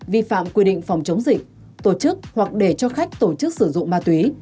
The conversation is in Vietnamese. vi phạm quy định phòng chống dịch tổ chức hoặc để cho khách tổ chức sử dụng ma túy